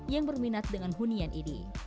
yang berminat dengan hunian ini